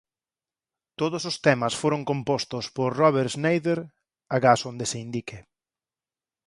Todos os temas foron compostos por Robert Schneider agás onde se indique.